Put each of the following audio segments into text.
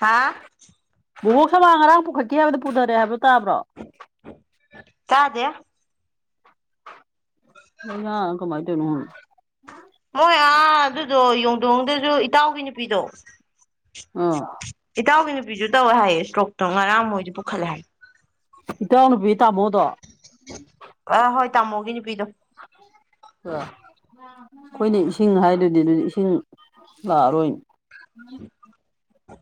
ꯍꯥꯥ ꯕꯣꯛ ꯁꯃꯥꯡ ꯉꯔꯥꯡ ꯄꯨꯈꯠꯦ ꯍꯥꯏꯕꯣ ꯄꯨꯊꯔꯛꯑꯦꯕ ꯇꯥꯕ꯭ꯔꯣ ꯀꯗꯦ ꯑ ꯀꯃꯥꯏ ꯊꯅ ꯍꯅ ꯃꯣꯏ ꯑꯥ ꯑꯗꯨꯗꯣ ꯌꯣꯡꯗꯣꯡꯗꯁꯨ ꯏꯇꯥꯎꯒꯤ ꯅꯨꯄꯤꯗꯣ ꯑ ꯏꯇꯥꯎꯒꯤ ꯅꯨꯄꯤꯁꯨ ꯇꯧꯋꯦ ꯍꯥꯏꯌꯦ ꯏꯁꯇ꯭ꯔꯣꯛꯇꯣ ꯉꯔꯥꯡ ꯃꯣꯏꯗꯤ ꯄꯨꯈꯠꯂꯦ ꯍꯥꯏ ꯏꯇꯅ ꯄ ꯇꯃꯣꯗꯣ ꯑ ꯍꯣꯏ ꯇꯥꯃꯣꯒꯤ ꯅꯨꯄꯤꯗꯣ ꯑ ꯑꯩꯈꯣꯏꯅ ꯏꯁꯤꯡ ꯍꯥꯏꯗꯨꯗꯤ ꯑꯗꯨꯗꯤ ꯏꯁꯤꯡ ꯂꯥꯛꯑꯔꯣꯏꯅꯤ ꯎꯝ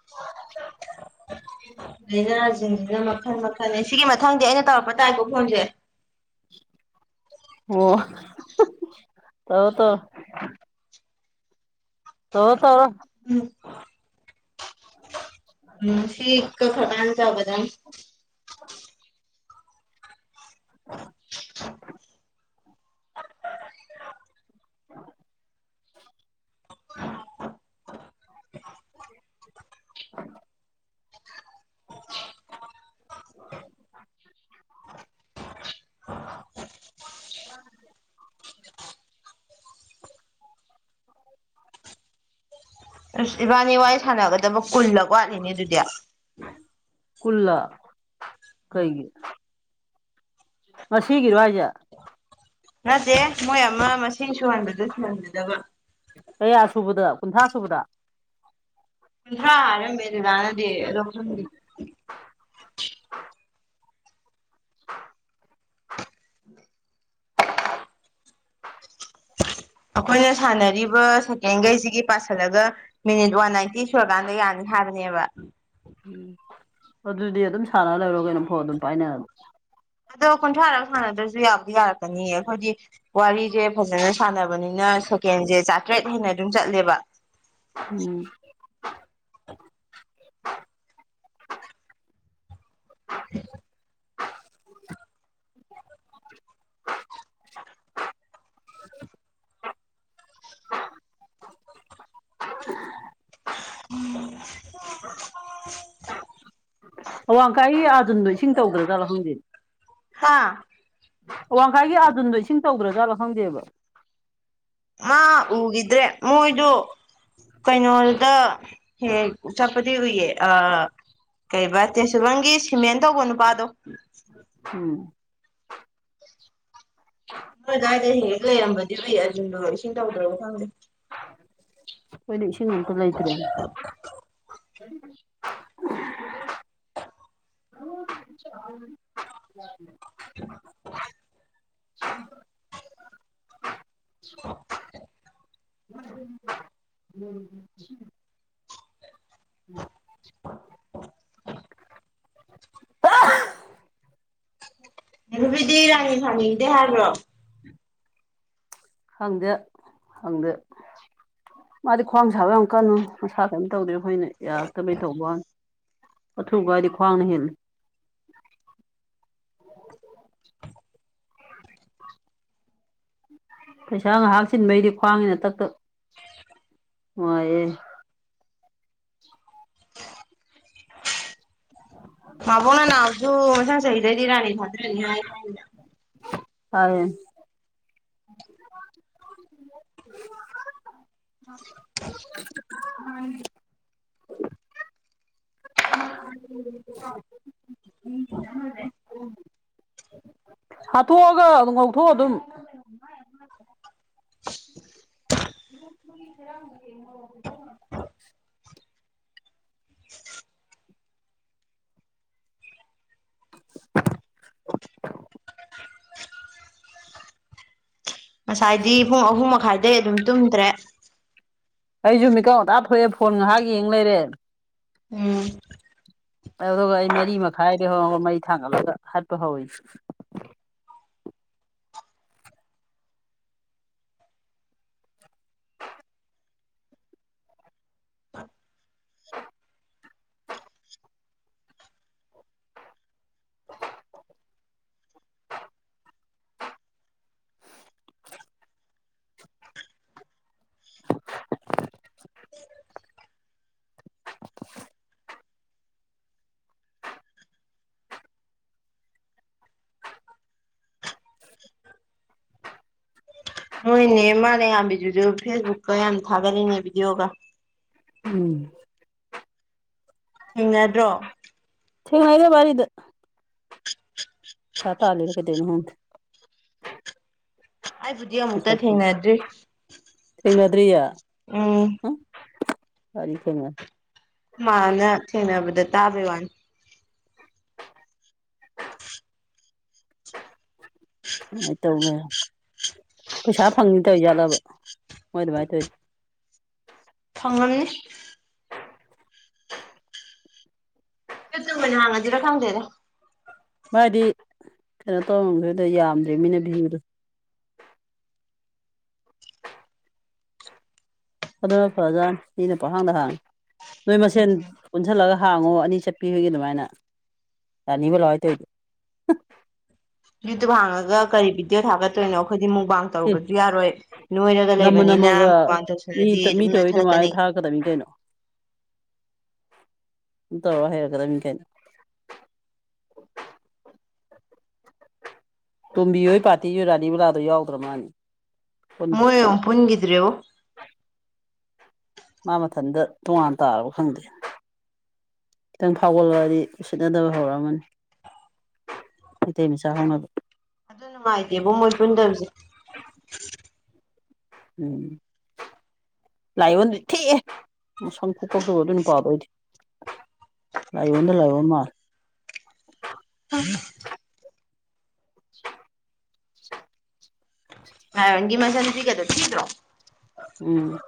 [unintelligible] ꯂꯥꯏꯅꯥꯥꯁꯤꯡꯁꯤꯅ ꯃꯈꯜ ꯃꯈꯜꯅꯦ ꯁꯤꯒꯤ ꯃꯊꯪꯗꯤ ꯑꯩꯅ ꯇꯧꯔꯛꯄ ꯇꯥꯏꯀꯣ ꯐꯣꯟꯁꯦ ꯑꯣ ꯇ ꯇ ꯇꯣ ꯇꯧꯔ ꯎꯝ ꯎꯝ ꯁꯤ ꯀ ꯈꯔ ꯀ ꯆꯕꯖꯅ [unintelligible] [unintelligible] ꯎ [unintelligible] ꯑ ꯑꯁ ꯏꯕꯥꯅꯤ ꯋꯥꯔꯤ ꯁꯥꯟꯅꯒꯗꯕ ꯀꯨꯜꯂꯒ ꯋꯥꯠꯂꯤꯅꯦ ꯑꯗꯨꯗꯤ ꯈꯨꯜꯂꯥ ꯀꯩꯒꯤ ꯃꯥꯁ ꯍꯤꯒꯤꯔꯋꯥꯖ ꯅꯠꯇꯦ ꯃꯣꯏ ꯑꯃ ꯃꯁꯤꯡ ꯁꯨꯍꯟꯕꯗꯨ ꯁꯟꯖꯗꯕ ꯀꯌꯥ ꯁꯨꯕꯗ ꯀꯨꯟꯊ꯭ꯔꯥ ꯁꯨꯕꯗ ꯀꯨꯟꯊ꯭ꯔꯥ ꯍꯥꯏꯔꯝꯃꯦ ꯂꯥꯅꯗꯤ ꯑꯗꯣ ꯈꯪꯗꯦ꯫ [inaudible] ꯑꯩꯈꯣꯏꯅ ꯁꯥꯟꯅꯔꯤꯕ ꯁꯦꯀꯦꯟꯒꯩꯁꯤꯒꯤ ꯄꯁꯤꯜꯂꯒ ꯃꯤꯅꯤꯠ ꯋꯥꯟ ꯅꯥꯏꯟꯇꯤ ꯁꯨꯔꯀꯥꯟꯗ ꯌꯥꯅꯤ ꯍꯥꯏꯕꯅꯦꯕ꯫ ꯎꯝ ꯑꯗꯨꯗꯤ ꯑꯗꯨꯝ ꯁꯥꯟꯅꯔ ꯂꯩꯔꯣ ꯀꯩꯅꯣꯝꯐꯥꯎ ꯑꯗꯨꯝ ꯄꯥꯏꯅꯔ ꯑꯗꯣ ꯀꯨꯟꯊ꯭ꯔꯥꯔꯒ ꯁꯥꯟꯅꯗ꯭ꯔꯁꯨ ꯌꯥꯕꯗꯤ ꯌꯥꯔꯛꯀꯅꯤꯌꯦ ꯑꯩꯈꯣꯏꯗꯤ ꯋꯥꯔꯤꯁꯦ ꯐꯖꯅ ꯁꯥꯟꯅꯕꯅꯤꯅ ꯁꯦꯀꯦꯟꯁꯦ ꯆꯥꯇ꯭ꯔꯦꯠ ꯍꯦꯟꯅ ꯑꯗꯨꯝ ꯆꯠꯂꯦꯕ ꯎꯝ [inaudible] [inaudible] [unintelligible] [unintelligible] ꯎꯝ ꯑꯋꯥꯡ ꯀꯥꯏ ꯑꯔꯖꯨꯟꯗꯣ ꯏꯁꯤꯡ ꯇꯧꯗ꯭ꯔꯗ꯭ꯔ ꯍꯪꯗꯦꯅꯦ꯫ ꯍꯥ ꯋꯥꯡꯈꯥꯏꯒꯤ ꯑꯔꯖꯨꯟꯗꯣ ꯏꯁꯤꯡ ꯇꯧꯗ꯭ꯔꯥꯖꯥꯠꯥ ꯈꯪꯗꯦꯕ꯫ ꯃꯥ ꯎꯈꯤꯗ꯭ꯔꯦ ꯃꯣꯏꯗꯣ ꯀꯩꯅꯣꯗ ꯍꯦꯛ ꯆꯠꯄꯗꯤ ꯎꯏꯌꯦ꯫ ꯑ ꯀꯩꯔꯤꯕ ꯇꯦꯁꯨꯕꯝꯒꯤ ꯁꯤꯃꯦꯟ ꯇꯧꯕ ꯅꯨꯄꯥꯗꯣ ꯎꯝ ꯅꯣꯏ ꯑꯗꯨꯗꯥꯏꯗ ꯍꯦꯛ ꯍꯦꯛ ꯂꯩꯔꯃꯗꯤ ꯎꯏ ꯑꯗꯨꯗ ꯏꯁꯤꯡ ꯇꯧꯗ꯭ꯔꯕ ꯈꯪꯗꯦ꯫ ꯑꯩꯈꯣꯏꯗꯤ ꯏꯁꯤꯡ ꯑꯇ ꯂꯩꯇ꯭ꯔꯦ꯫ [inaudible] [inaudible] [inaudible] [inaudible] ꯎꯝ [inaudible] [unintelligible] ꯅꯈꯕꯤꯗꯤ ꯏ ꯔꯥꯅꯤ ꯐꯥꯅꯤꯡꯗꯦ ꯍꯥꯏꯕ꯭ꯔꯣ? ꯍꯪꯗꯦ ꯍꯪꯗꯦ ꯃꯥꯗꯤ ꯈ꯭ꯋꯥꯡ ꯁꯥꯕ ꯌꯥꯝ ꯀꯜꯂꯤ꯫ ꯃꯁꯥ ꯀꯔꯤꯝ ꯇꯧꯗꯦ ꯑꯩꯈꯣꯏꯅ ꯌꯥꯔꯛꯇꯕꯩ ꯇꯧꯕ ꯑꯊꯨꯕ ꯍꯥꯏꯗꯤ ꯈ꯭ꯋꯥꯡꯅ ꯍꯦꯜꯂꯤ꯫ [inaudible] ꯄꯩꯁꯥ ꯉꯥꯏꯍꯥꯛꯆꯤꯟꯕꯩꯗꯤ ꯈ꯭ꯋꯥꯡꯒꯤꯅꯇꯛꯇ ꯋꯥꯌꯦ꯫ [inaudible] ꯃꯥꯕꯨꯡꯅ ꯅꯅꯥꯎꯁꯨ ꯃꯩꯁꯥꯡ ꯆꯍꯤꯗꯗꯤ ꯔꯥꯅꯤ ꯊꯥꯗ꯭ꯔꯅꯤ ꯐꯑꯩꯌꯦ [unintelligible] [unintelligible] [unintelligible] ꯍꯥꯠꯇꯣꯛꯑꯒ ꯑꯗꯨꯝ ꯉꯧꯊꯣꯛ ꯑꯗꯨꯝ [unintelligible] [unintelligible] [unintelligible] ꯉꯁꯥꯏꯗꯤ ꯄꯨꯡ ꯑꯍꯨꯝ ꯃꯈꯥꯏꯗꯩ ꯑꯗꯨꯝ ꯇꯨꯝꯗ꯭ꯔꯦ꯫ ꯑꯩꯁꯨ ꯃꯤꯀꯥꯎ ꯉꯇꯥ ꯊꯣꯛꯑꯦ ꯐꯣꯟ ꯉꯥꯏꯍꯥꯛ ꯌꯦꯡ ꯂꯩꯔꯦ꯫ ꯎꯝ ꯑꯗꯨꯒ ꯑꯩ ꯃꯔꯤ ꯃꯈꯥꯏꯗꯒꯤ ꯍꯧꯔꯒ ꯃꯩ ꯊꯥꯡꯒꯠꯂꯒ ꯍꯥꯠꯄ ꯍꯧꯋꯏꯅꯤ ꯫ [inaudible] ꯅꯣꯏ ꯅꯦꯃꯥꯂꯦꯉꯥꯟꯕꯤꯗꯨꯁꯨ ꯐꯦꯁꯕꯨꯛꯀ ꯌꯥꯝ ꯊꯥꯒꯠꯂꯤꯅꯦ ꯚꯤꯗꯤꯑꯣꯒ ꯎꯝ ꯊꯦꯡꯅꯗ꯭ꯔꯣ ꯊꯦꯡꯅꯩꯗ ꯕꯥꯔꯤꯗ ꯄꯩꯁꯥ ꯇꯥꯂꯤꯔ ꯀꯩꯗꯣꯢꯅꯣ ꯈꯪꯗꯦ ꯑꯩꯕꯨꯗꯤ ꯑꯃꯨꯛꯇ ꯃꯁꯛꯇꯨ ꯊꯦꯡꯅꯗ꯭ꯔꯤ ꯊꯦꯡꯅꯗ꯭ꯔꯤꯌꯦ ꯎꯝ ꯑꯩꯗꯤ ꯊꯦꯡꯅꯔꯦ ꯃꯥꯅ ꯊꯦꯡꯅꯕꯗ ꯇꯥꯕꯩ ꯋꯥꯅꯤ ꯑꯗꯨꯃꯥꯏꯅ ꯇꯧ ꯂꯩꯔꯝ ꯄꯩꯁꯥ ꯐꯪꯅꯤ ꯇꯧꯖꯥꯠꯂꯕ ꯃꯣꯏ ꯑꯗꯨꯃꯥꯏꯅ ꯇꯧꯋꯤ ꯐꯪꯉꯝꯅꯤ ꯌꯨ ꯇꯨꯕ ꯑꯣꯢꯅ ꯍꯥꯡꯉꯁꯤꯔꯥ ꯈꯪꯗꯦꯗ ꯃꯥꯗꯤ ꯀꯩꯅꯣ ꯇꯧꯔꯝꯈꯤꯔꯣꯢꯗ ꯌꯥꯝꯗ꯭ꯔꯤꯝꯅꯤꯅ ꯚꯤꯌꯨꯗꯣ ꯑꯗꯨꯅ ꯐꯔꯖꯅꯤ ꯃꯤꯅ ꯄꯪꯍꯥꯡꯗ ꯍꯥꯡꯉꯤ ꯅꯣꯏ ꯃꯁꯦꯟ ꯄꯨꯟꯖꯜꯂꯒ ꯍꯥꯡꯉꯣ ꯑꯅꯤ ꯆꯠꯄꯤꯈꯣꯢꯒꯤ ꯑꯗꯨꯃꯥꯏꯅ ꯔꯅꯤꯕꯂꯥ ꯍꯣꯢ ꯇꯣꯏꯗꯨ ꯌꯨꯇ꯭ꯌꯨꯕ ꯍꯥꯡꯉꯒ ꯀꯔꯤ ꯚꯗꯤꯑꯣ ꯊꯥꯒꯠꯇꯣꯏꯅꯣ ꯑꯩꯈꯣꯏꯗꯤ ꯃꯨꯛꯕꯥꯡ ꯑꯦ ꯇꯧꯕꯁꯨ ꯌꯥꯔꯣꯏ ꯅꯣꯏꯔꯒ ꯅꯝꯃ ꯂꯩꯕꯅꯤꯅ ꯅꯝꯃꯒ ꯃꯨꯕꯥꯡꯇꯧꯁꯤꯔꯗꯤ ꯑꯗꯨꯝ ꯅꯣꯏ ꯈꯠꯂꯛꯀꯅꯤ ꯍꯀꯗꯝꯅꯤ ꯀꯩꯅꯣ ꯇꯧꯔ ꯍꯩꯔꯛꯀꯗꯝꯅꯤ ꯀꯩꯅꯣ ꯇꯣꯝꯕꯤ ꯍꯣꯏ ꯄꯥꯔꯇꯤ ꯗꯨ ꯔꯥꯅꯤꯕꯂꯥꯗꯣ ꯌꯥꯎꯗ꯭ꯔ ꯃꯥꯂꯦꯅꯦ ꯃꯣꯏ ꯑꯃꯨꯛ ꯄꯨꯟꯒꯤꯗ꯭꯭ꯔꯦꯑꯣ ꯃꯥ ꯃꯊꯟꯇ ꯇꯣꯉꯥꯟ ꯇꯥꯔꯕ ꯈꯪꯗꯦ ꯈꯤꯇꯪ ꯐꯥꯎꯒꯠꯂꯗꯤ ꯎꯁꯤꯠꯅꯗꯕ ꯍꯧꯔꯛꯑꯃꯅꯤ ꯃꯩꯇꯩ ꯃꯆꯥ ꯍꯧꯅꯕꯤ ꯑꯗꯨ ꯅꯨꯡꯉꯥꯏꯇꯦꯕꯣ ꯃꯣꯏ ꯄꯨꯟꯗꯕꯁꯦ ꯎꯝ ꯂꯥꯏꯑꫭꯟꯗꯤ ꯊꯤꯑꯦ ꯃꯁꯝ ꯈꯨꯀꯛꯇꯨꯒ ꯑꯗꯨꯢ ꯅꯨꯄꯥꯗꯨ ꯑꯩꯗꯤ ꯂꯥꯏꯌꫭꯟ ꯗ ꯂꯥꯏꯌꫭꯟ ꯃꯥꯜꯂꯤ ꯎꯝ [inaudible] ꯥꯂꯤꯌꯣꯟꯒꯤ ꯃꯆꯟ ꯅꯨꯄꯤꯒꯗꯨ ꯊꯤꯗ꯭ꯔꯣ ꯎꯝ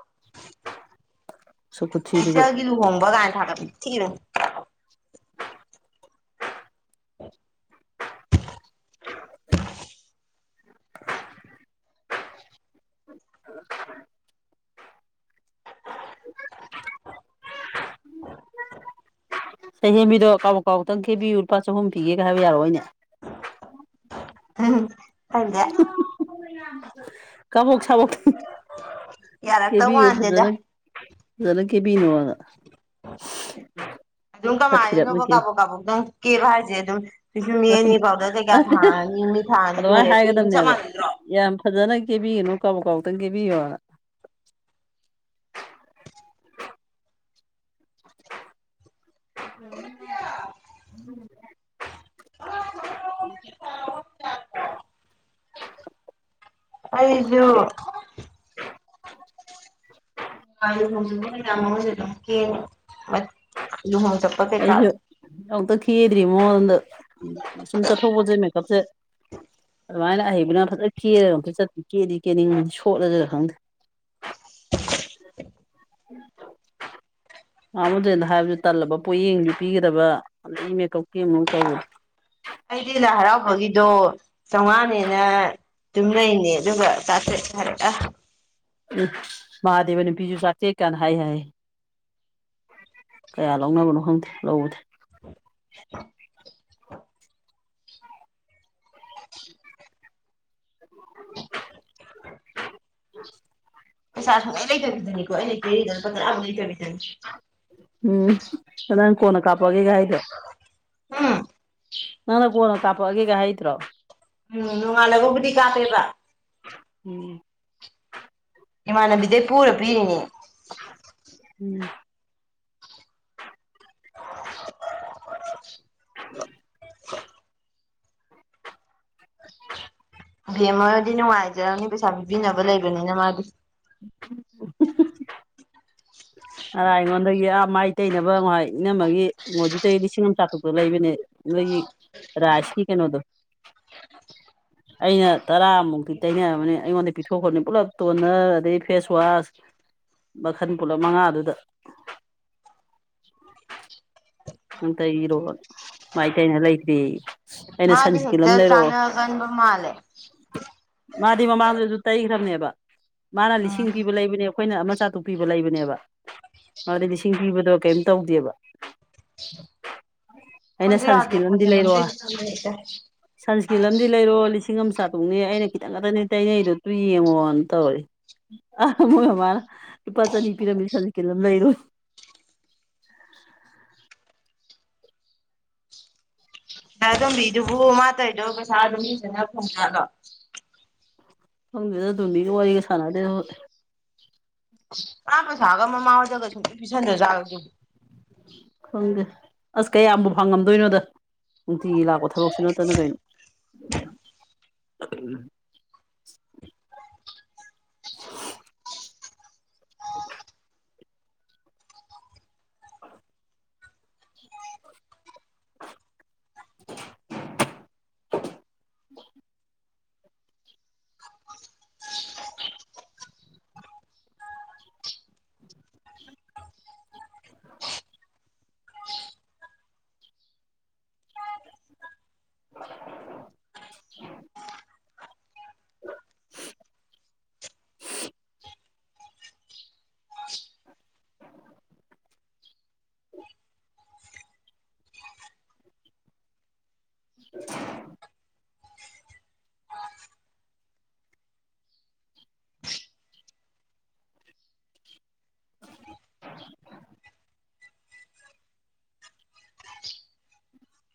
ꯁꯛ ꯈꯨꯊꯤꯗꯨꯒ ꯏꯆꯜꯒꯤ ꯂꯨꯍꯣꯡꯕ ꯀꯥꯏꯅ ꯊꯥꯒꯠꯄ ꯊꯤꯗꯨ ꯎꯝ [inaudible] [inaudible] ꯁꯍꯦꯕꯤꯗꯣ ꯀꯥꯕꯨꯛ ꯀꯥꯕꯨꯛꯇꯪ ꯀꯦꯕꯤꯌꯨ ꯂꯨꯄꯥ ꯆꯍꯨꯝ ꯄꯤꯒꯦꯒ ꯍꯥꯏ ꯌꯥꯔ ꯑꯣꯢꯅꯦ ꯎꯝ ꯈꯪꯗꯦ ꯀꯥꯕꯣꯛ ꯁꯕꯣꯛꯇꯪ ꯌꯥꯔꯛꯇꯧ ꯀꯦꯕꯤꯌꯨ ꯃꯥꯟꯗꯦꯗ ꯐꯖꯅ ꯐꯖꯅ ꯀꯦꯕꯤꯌꯣꯅ ꯑꯗꯨꯝ ꯈꯔ ꯊꯤꯔꯞꯅ ꯀꯃꯥꯢꯅꯅꯣꯕ ꯀꯦ ꯀꯥꯄꯣꯛ ꯀꯥꯕꯣꯛ ꯇꯪ ꯀꯦꯕ ꯍꯥꯏꯁꯦ ꯑꯗꯨꯝ ꯄꯤꯁꯨꯝ ꯌꯦꯛꯑꯅꯤ ꯄꯥꯎꯗꯔ ꯀꯩꯀꯥ ꯊꯥꯔꯅꯤ ꯃꯤꯠ ꯊꯥꯑꯅꯤ ꯂꯣꯏꯔꯦ ꯑꯗꯨꯃꯥꯏꯅ ꯑꯗꯨ ꯑꯗꯨꯝ ꯆꯞ ꯍꯥꯏꯒꯗꯕꯅꯦꯕ ꯃꯥꯟꯅꯗ꯭ꯔꯣ ꯌꯥꯝ ꯐꯖꯅ ꯀꯦꯕꯤꯒꯅꯨ ꯀꯕꯛ ꯀꯕꯛꯇꯪ ꯀꯦꯕꯤꯌꯣꯕ [inaudible] [unintelligible] ꯑꯩꯖꯨ ꯂꯨꯍꯣꯡꯆꯠꯕ ꯃꯌꯥꯝꯁꯨ ꯑꯗꯨꯝ ꯀꯦ ꯂꯨꯍꯣꯡꯆꯠꯕ ꯑꯩꯁꯨ ꯑꯝꯇ ꯀ°ꯗꯔꯤ ꯃꯉꯣꯟꯗ ꯁꯨꯝ ꯆꯠꯊꯣꯛꯄꯁꯦ ꯃꯦꯀꯞꯁꯦ ꯑꯗꯨꯃꯥꯏꯅ ꯑꯍꯩꯕꯅ ꯐꯖꯅ ꯀꯦꯔꯒ ꯑꯝꯇ ꯆꯠꯇꯄ ꯀꯦꯗꯤ ꯀꯦꯅꯤꯡꯗꯤ ꯁꯣꯠꯂꯁꯤꯔ ꯈꯪꯗꯦ [inaudible] ꯎꯝ ꯃꯥꯃꯗꯗ ꯍꯥꯏꯕꯁꯨ ꯇꯜꯂꯕ ꯄꯣꯠꯌꯦꯡꯁꯨ ꯄꯤꯒꯗꯕ ꯑꯗꯩ ꯃꯦꯀꯞꯀꯤ ꯑꯃꯛ ꯇꯧꯕꯗꯣ ꯑꯩꯗꯤ ꯂꯥꯏ ꯍꯔꯥꯎꯕꯒꯤꯗꯣ ꯆꯥꯝꯃꯉꯥꯅꯦꯅ ꯑꯗꯨꯝ ꯂꯩꯅꯤ ꯑꯗꯨꯒ ꯎ ꯃꯍꯥꯗꯦꯕ ꯅꯨꯄꯤꯁꯨ ꯆꯥꯛꯇꯦ ꯀꯥꯟꯅ ꯍꯥꯏ ꯍꯥꯏ ꯀꯌꯥ ꯂꯧꯅꯕꯅꯣ ꯈꯪꯗꯦ ꯂꯧꯕꯗꯦ [inaudible] [inaudible] [inaudible] [inaudible] ꯁꯥ ꯂꯩꯇꯔꯅꯤꯀꯣꯩꯅ ꯀꯦꯔꯤꯗ ꯄ ꯂꯩꯇꯔꯕꯤꯗꯅꯤ ꯎꯝ ꯅꯪ ꯀꯣꯟꯅ ꯀꯥꯞꯄꯒꯦꯒ ꯍꯥꯏꯗꫭ ꯎꯝ ꯅꯪꯅ ꯀꯣꯟꯅ ꯀꯥꯞꯛꯑꯒꯦꯒ ꯍꯩꯇ꯭ꯔꯣ ꯎꯝ ꯅꯣꯡꯉꯥꯜꯂꯒꯕꯨꯗꯤ ꯀꯥꯞꯄ°ꯕ ꯎꯝ ꯏꯃꯥꯟꯅꯕꯤꯗꯩ ꯄꯨꯔ ꯄꯤꯔꯤꯅꯦ ꯎꯝ [inaudible] [inaudible] ꯕ°ꯝꯃ ꯍꫭꯏꯗꯤ ꯅꯨꯡꯉꯥꯏꯖꯔꯝꯅꯤ ꯄꯩꯁꯥ ꯄꯤꯕꯤꯅꯕ ꯂꯩꯕꯅꯤꯅ ꯃꯥꯗꯤ ꯎꯝ ꯉꯔꯥꯏ ꯑꯩꯉꯣꯟꯗꯒꯤ ꯑꯥ ꯃꯥꯏ ꯇꯩꯅꯕ ꯉꯥꯏ ꯏꯅꯝꯃꯒꯤ ꯃꫭꯗꯤ ꯂꯤꯁꯤꯡ ꯑꯃ ꯆꯥꯇꯨꯛꯇ ꯂꯩꯕꯅꯦ ꯅꯣꯏꯒꯤ ꯔꯥꯁꯀꯤ ꯀꯩꯅꯣꯗꯣ ꯑꯩꯅ ꯇꯔꯥꯃꯨꯛꯇꯤ ꯇꯩꯅꯔꯕꯅꯤ ꯑꯩꯉꯣꯟꯗ ꯄꯤꯊꯣꯛꯈ꯭ꯔꯅꯤ ꯄꯨꯂꯞ ꯇꯣꯟꯅꯔ ꯑꯗꯩ ꯐꯦꯁꯋꯥꯁ ꯃꯈꯟ ꯄꯨꯂꯞ ꯃꯉꯥꯗꯨꯗ ꯅꯨꯡꯇꯩꯔꯣ ꯃꯥꯏ ꯀꯩꯅ ꯂꯩꯇ꯭ꯔꯤ ꯃꯥꯗꯤ ꯍꯦꯛꯇ ꯁꯅꯒꯟꯕ ꯃꯥꯂꯦ ꯃꯥꯗꯤ ꯃꯃꯥꯡꯗꯁꯨ ꯇꯩꯈ꯭ꯔꯕꯅꯦꯕ ꯃꯥꯅ ꯎꯝ ꯂꯤꯁꯤꯡ ꯄꯤꯕ ꯂꯩꯕꯅꯦ ꯑꯩꯈꯣꯏꯅ ꯑꯃꯆꯥ ꯇꯨꯛꯄꯤꯕ ꯂꯩꯕꯅꯦꯕ ꯑꯗꯨꯗꯩ ꯂꯤꯁꯤꯡ ꯄꯤꯕꯗꯣ ꯀꯔꯤꯝ ꯇꯧꯗꯦꯕ [unintelligible] ꯑꯩꯅ ꯑꯩꯈꯣꯏꯁꯨ ꯌꯥꯗꯦ ꯁꯟꯁꯀ꯭ꯔꯤꯟ ꯂꯝꯗꯤ ꯄꯣꯠꯁꯦ ꯂꯩꯔꯣ ꯂꯝꯇꯩ ꯆꯠꯁꯤꯟꯕ ꯍꯦꯛꯇ ꯁꯟꯁꯀ꯭ꯔꯤꯟ ꯂꯝ ꯂꯩꯔꯣ ꯂꯤꯁꯤꯡ ꯑꯃ ꯆꯥꯇꯣꯛꯅꯦ ꯑꯩꯅ ꯈꯤꯇꯪ ꯉꯥꯛꯛꯇꯅꯦ ꯇꯩꯅꯩꯅꯩꯗꯣ ꯇꯨ ꯌꯦꯡꯉꯣꯅ ꯇꯧꯔꯦ ꯑꯃꯅ ꯂꯨꯄꯥ ꯆꯅꯤ ꯄꯤꯔꯝꯃꯤ ꯁꯟꯗ ꯀꯤꯂꯝ ꯂꯩꯔꯣꯏ ꯇꯣꯝꯕꯤꯗꯨꯕꯨ ꯃꯥꯇꯩꯗꯣ ꯄꯩꯁꯥ ꯑꯗꯨꯝ ꯐꯖꯅ ꯐꯪꯖꯥꯠꯂꫭ ꯈꯪꯗ°ꯗ ꯑꯩꯈꫭꯏ ꯇꫭꯝꯕꯤꯒ ꯋꯥꯔꯤꯒ ꯁꯥꯅꯗ°ꯗ ꯑꯩꯈꫭꯏ ꯀꯥꯥꯟꯕ ꯁꯥꯒ ꯃꯃꯥꯍꫭꯏꯗꯒ ꯁꯨꯡꯄꯤ ꯄꯤꯁꯟꯗ ꯖꯥꯔ ꯐꯪꯒꯦ ꯑꯁ ꯀꯌꯥꯝꯕꯨ ꯐꯪꯉꯝꯗꯣꯏꯅꯣꯗ ꯅꯨꯡꯇꯤꯒꯤ ꯂꯥꯛꯄ ꯊꯕꯛꯁꯨ ꯅꯠꯇꯅ ꯀꯩꯅꯣ ꯑꯣ [inaudible] [inaudible] [inaudible]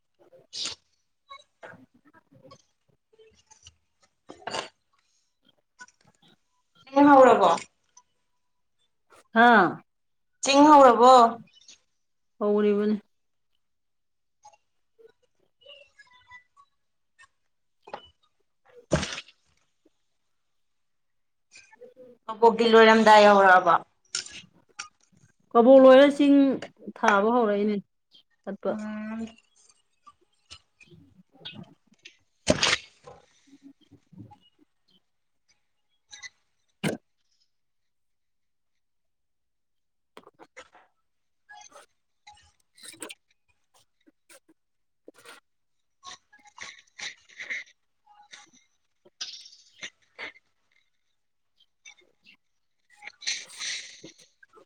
[inaudible] [unintelligible] ꯍꯧꯔꯕꯣ ꯍꯥꯥ ꯆꯤꯡ ꯍꯧꯧꯔꯕꯣ ꯍꯧꯧꯅꯤꯕꯅꯦ ꯑꯕꯣꯛꯗꯤ ꯂꯣꯏꯔꯝꯗꯥꯏ ꯌꯧꯔꯛꯑꯕ ꯀꯕꯣꯛ ꯂꯣꯏꯔ ꯆꯤꯡ ꯊꯥꯕ ꯍꯧꯔꯛꯏꯅꯦ ꯆꯠꯄ ꯎꯝ [inaudible] [inaudible] [inaudible] [inaudible] [inaudible]